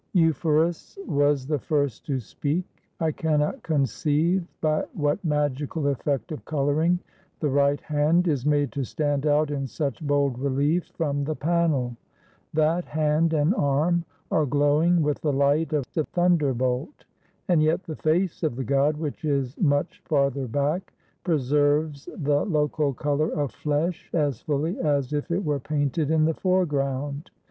Euphorus was the first to speak. '*! cannot conceive by what magical effect of coloring the right hand is made to stand out in such bold relief from the panel. That hand and arm are glowing with the light of the thunderbolt; and yet the face of the god, which is much farther back, preserves the local color of flesh as fully as if it were painted in the foreground